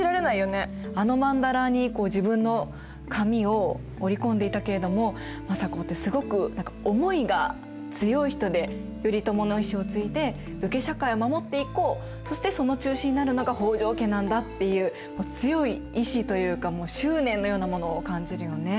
あのまんだらに自分の髪を織り込んでいたけれども政子ってすごく何か思いが強い人で頼朝の遺志を継いで武家社会を守っていこうそしてその中心になるのが北条家なんだっていう強い意志というかもう執念のようなものを感じるよね。